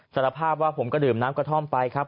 สารภาพว่าผมก็ดื่มน้ำกระท่อมไปครับ